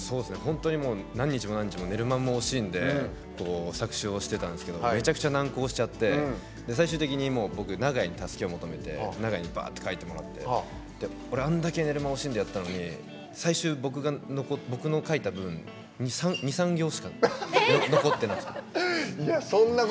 何日も何日も寝る間も惜しんで作詞をしてたんですけどめちゃくちゃ難航しちゃって最終的に僕、長屋に助けを求めて長屋にばーって書いてもらって俺、あんだけ寝る間を惜しんでやったのに僕が書いたの２３行しか残ってなくて。